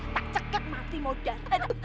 tak cekat mati mau jatuh